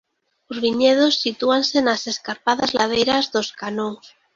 Os viñedos sitúanse nas escarpadas ladeiras dos canóns.